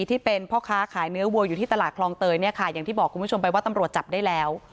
ที่เป็นพ่อค้าขายเนื้อวัวอยู่ที่ตลาดคลองเตยเนี่ยค่ะอย่างที่บอกคุณผู้ชมไปว่าตำรวจจับได้แล้ว